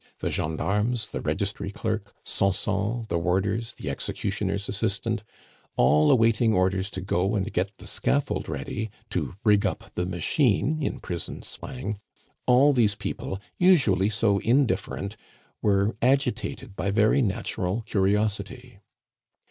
The gendarmes, the registry clerk, Sanson, the warders, the executioner's assistant all awaiting orders to go and get the scaffold ready to rig up the machine, in prison slang all these people, usually so indifferent, were agitated by very natural curiosity.